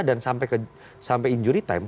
dan sampai injury time